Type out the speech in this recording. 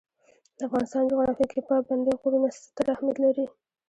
د افغانستان جغرافیه کې پابندی غرونه ستر اهمیت لري.